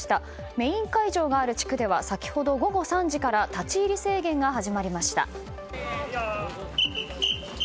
メイン会場がある地区では先ほど午後３時から立ち入り制限が始まりました。